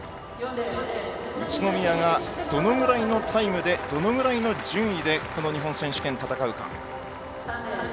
宇都宮がどのくらいのタイムでどのくらいの順位でこの日本選手権を戦うのか。